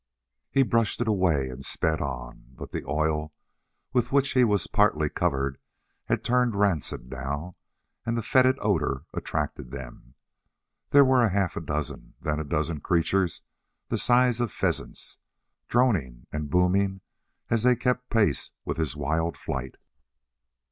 He brushed it away and sped on. But the oil with which he was partly covered had turned rancid, now, and the fetid odor attracted them. There were half a dozen then a dozen creatures the size of pheasants, droning and booming as they kept pace with his wild flight.